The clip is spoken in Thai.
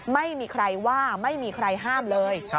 ไม่มีใครว่าไม่มีใครห้ามเลย